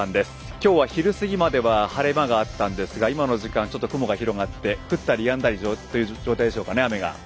今日は昼過ぎまでは晴れ間があったんですが今の時間、雲があって降ったりやんだりという状態でしょうかね、雨が。